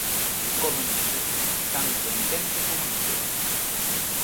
Cómense tanto en quente como en frío.